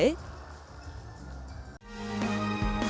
thổ nhĩ kỳ